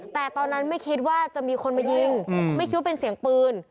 แต่ตอนนั้นไม่คิดว่าจะมีคนมายิงไม่คิดว่าเป็นเสียงปืน